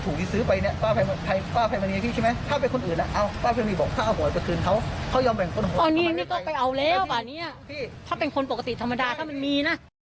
แต่รู้ไหมว่าเขาซื้อลอตเตอรี่